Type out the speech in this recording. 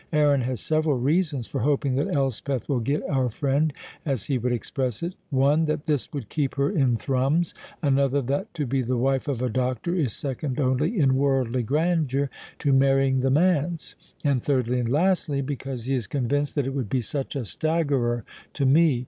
Aaron has several reasons for hoping that Elspeth will get our friend (as he would express it): one, that this would keep her in Thrums; another, that to be the wife of a doctor is second only in worldly grandeur to marrying the manse; and thirdly and lastly, because he is convinced that it would be such a staggerer to me.